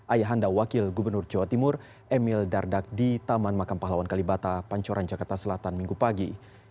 ayahanda wakil gubernur jawa timur emil dardak di taman makam pahlawan kalibata pancoran jakarta selatan minggu pagi